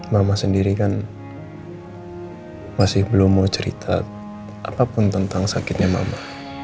mama sendiri kan masih belum mau cerita apapun tentang sakitnya mama